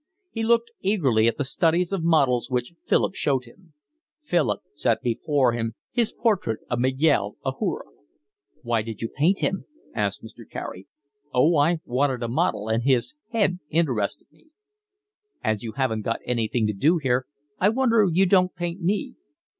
He looked eagerly at the studies of models which Philip showed him. Philip set before him his portrait of Miguel Ajuria. "Why did you paint him?" asked Mr. Carey. "Oh, I wanted a model, and his head interested me." "As you haven't got anything to do here I wonder you don't paint me."